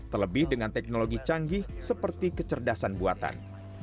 terlebih dengan teknologi canggih seperti kecerdasan buatan